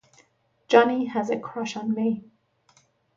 Johnny has a crush on me.